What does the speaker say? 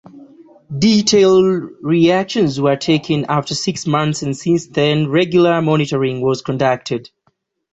Detailed reactions were taken after six months and since then regular monitoring was conducted.